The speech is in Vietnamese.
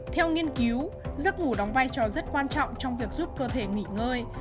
theo nghiên cứu giấc ngủ đóng vai trò rất quan trọng trong việc giúp cơ thể nghỉ ngơi